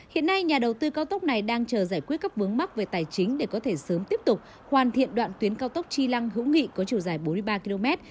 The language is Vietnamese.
hiện nay nhà đầu tư cao tốc này đang chờ giải quyết các vướng mắc về tài chính để có thể sớm tiếp tục hoàn thiện đoạn tuyến cao tốc chi lăng hữu nghị có chiều dài bốn mươi ba km